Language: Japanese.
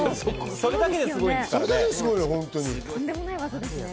それだけですごいですから。